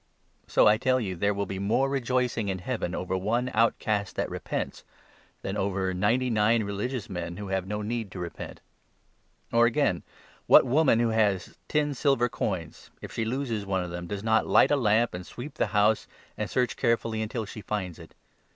So, I tell you, there will be more rejoicing in Heaven over 7 one outcast that repents, than over ninety nine religious men, who have no need to repent. Or again, what 8 Parable woman who has ten silver coins, if she loses of the one of them, does not light a lamp, and sweep tost coin. tne nousC) an(i search carefully until she finds it